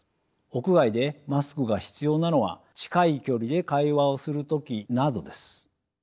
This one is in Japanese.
屋外でマスクが必要なのは近い距離で会話をする時などです。